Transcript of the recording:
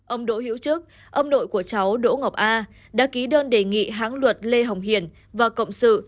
ông đỗ hữu trước ông nội của cháu đỗ ngọc a đã ký đơn đề nghị hán luật lê hồng hiền và cộng sự